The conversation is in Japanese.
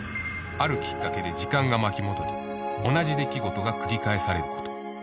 ［あるきっかけで時間が巻き戻り同じ出来事が繰り返されること］